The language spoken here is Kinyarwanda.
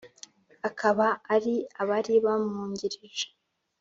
akaba ari abari bamwungirije,